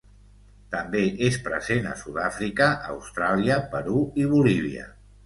També és present a Sud-àfrica, Austràlia, Perú i Bolívia.